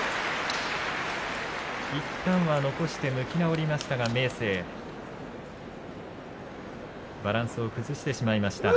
いったんは残して向き直りましたが明生バランスを崩してしまいました。